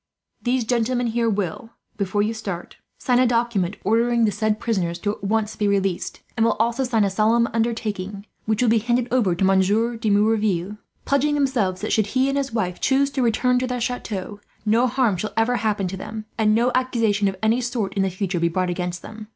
"These gentlemen here will, before you start, sign a document ordering the said prisoners at once to be released; and will also sign a solemn undertaking, which will be handed over to Monsieur de Merouville, pledging themselves that, should he and his wife choose to return to their chateau, no harm shall ever happen to them; and no accusation, of any sort, in the future be brought against them.